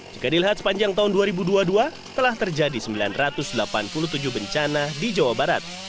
jika dilihat sepanjang tahun dua ribu dua puluh dua telah terjadi sembilan ratus delapan puluh tujuh bencana di jawa barat